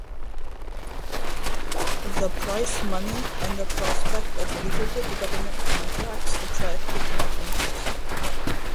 The price money and the prospect of lucrative government contracts attracted much interest.